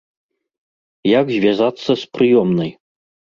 Як звязацца з прыёмнай?